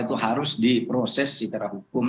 itu harus diproses secara hukum